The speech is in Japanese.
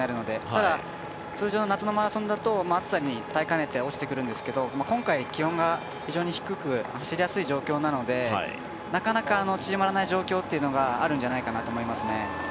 ただ通常の夏のマラソンだと暑さに耐えかねて落ちてくるんですけど今回、気温が非常に低く走りやすい状況なのでなかなか、縮まらない状況があるんじゃないかなと思います。